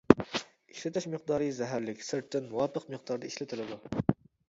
ئىشلىتىش مىقدارى زەھەرلىك، سىرتتىن مۇۋاپىق مىقداردا ئىشلىتىلىدۇ.